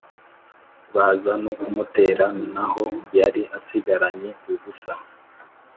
baza no kumutera n'aho yari asigaranye ubusa